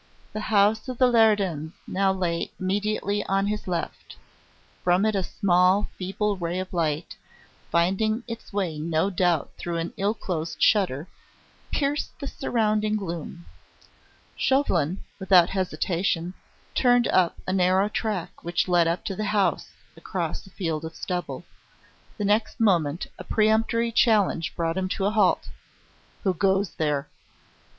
The house of the Leridans now lay immediately on his left; from it a small, feeble ray of light, finding its way no doubt through an ill closed shutter, pierced the surrounding gloom. Chauvelin, without hesitation, turned up a narrow track which led up to the house across a field of stubble. The next moment a peremptory challenge brought him to a halt. "Who goes there?"